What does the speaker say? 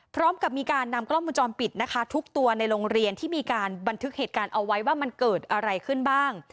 พร้อมกับมีการนำกล้องวงจรปิดนะคะทุกตัวในโรงเรียนที่มีการบันทึกเหตุการณ์เอาไว้ว่ามันเกิดอะไรขึ้นบ้าง